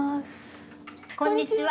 こんにちは。